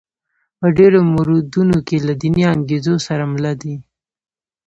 په ډېرو موردونو کې له دیني انګېزو سره مله دي.